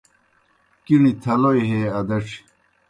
کِݨیْ تھلوئی ہے ادڇھیْ